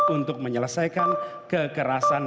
untuk menyelesaikan kekerasan